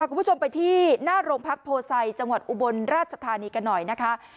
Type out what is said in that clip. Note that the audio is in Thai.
คุณผู้ชมไปที่หน้าโรงพักโพไซจังหวัดอุบลราชธานีกันหน่อยนะคะ